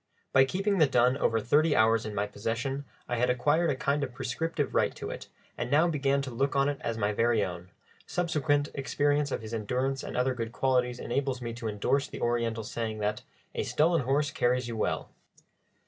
By keeping the dun over thirty hours in my possession I had acquired a kind of prescriptive right to it, and now began to look on it as my very own; subsequent experience of his endurance and other good qualities enables me to endorse the Oriental saying that a "stolen horse carries you well."